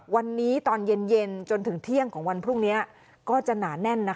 วันนี้ตอนเย็นจนถึงเที่ยงของวันพรุ่งนี้ก็จะหนาแน่น